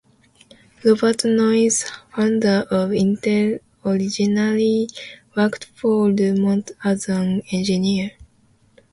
Robert Noyce, founder of Intel, originally worked for DuMont as an engineer.